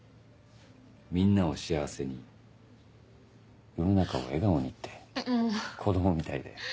「みんなを幸せに世の中を笑顔に」って子供みたいで。